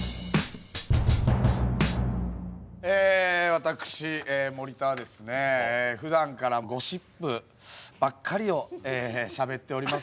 え私森田はですねふだんからゴシップばっかりをしゃべっております。